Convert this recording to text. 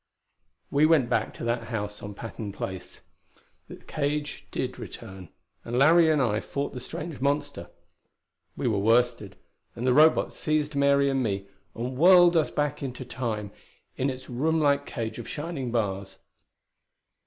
We went back to that house on Patton Place. The cage did return, and Larry and I fought the strange monster. We were worsted, and the Robot seized Mary and me and whirled us back into Time in its room like cage of shining bars.